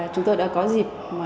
chúng tôi đã có dịp